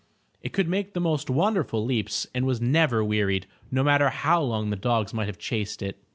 It could make the most wonderful leaps and was never wearied, no matter how long the dogs might have chased it.